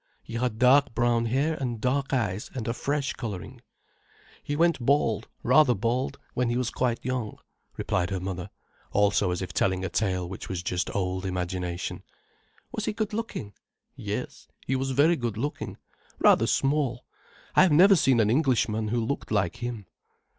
"He had dark brown hair and dark eyes and a fresh colouring. He went bald, rather bald, when he was quite young," replied her mother, also as if telling a tale which was just old imagination. "Was he good looking?" "Yes—he was very good looking—rather small. I have never seen an Englishman who looked like him."